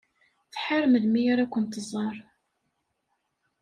Tḥar melmi ara ken-tẓer.